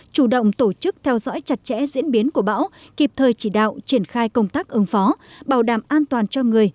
chủ động tổ chức theo dõi chặt chẽ diễn biến của bão kịp thời chỉ đạo triển khai công tác ứng phó bảo đảm an toàn cho người